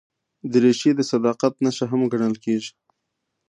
دریشي د صداقت نښه هم ګڼل کېږي.